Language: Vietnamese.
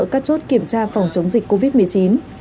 các chốt kiểm tra phòng chống dịch